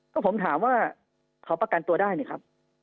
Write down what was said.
ก็ผมถามว่าเขาประกันตัวได้ไหมครับ